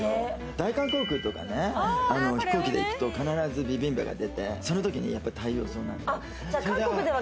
大韓航空とかね、飛行機で行くと必ずビビンバが出て、そのときに太陽草など。